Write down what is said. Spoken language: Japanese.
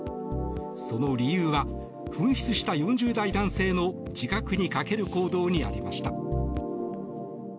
その理由は紛失した４０代男性の自覚に欠ける行動にありました。